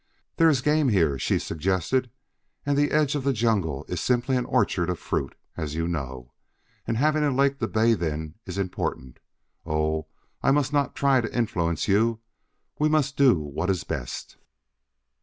"There is game here," she suggested, "and the edge of the jungle is simply an orchard of fruit, as you know. And having a lake to bathe in is important oh, I must not try to influence you. We must do what is best."